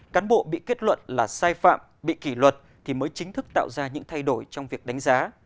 cán bộ bị kết luận là sai phạm bị kỷ luật thì mới chính thức tạo ra những thay đổi trong việc đánh giá